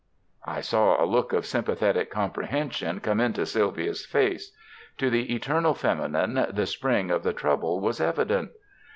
I saw a look of sympathetic comprehension come into Sylvia's face. To the eternal feminine the spring of the trouble was evident.